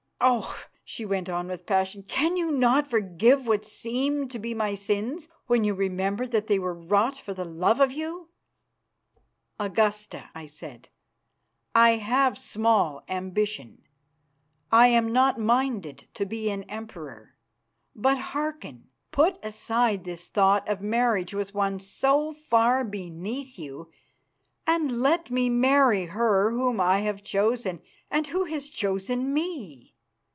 Oh!" she went on with passion, "cannot you forgive what seem to be my sins when you remember that they were wrought for love of you?" "Augusta," I said, "I have small ambition; I am not minded to be an emperor. But hearken. Put aside this thought of marriage with one so far beneath you, and let me marry her whom I have chosen, and who has chosen me.